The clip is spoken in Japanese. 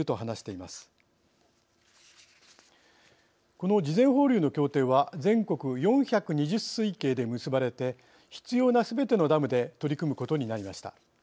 この事前放流の協定は全国４２０水系で結ばれて必要なすべてのダムで取り組むことになりました。